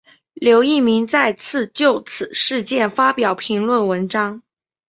刘逸明再次就此事件发表评论文章。